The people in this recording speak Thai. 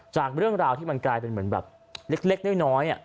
จากเรื่องราวที่มันกลายเป็นเหมือนแบบเล็กน้อย